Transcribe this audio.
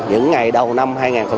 những ngày đầu năm hai nghìn hai mươi bốn